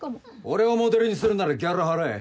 俺をモデルにするならギャラ払え。